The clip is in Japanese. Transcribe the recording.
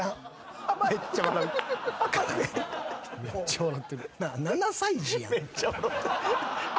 めっちゃ笑ってる。